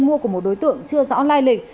mua của một đối tượng chưa rõ lai lịch